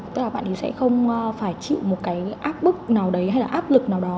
tức là bạn ấy sẽ không phải chịu một cái áp bức nào đấy hay là áp lực nào đó